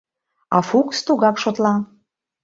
а Фукс тугак шотла: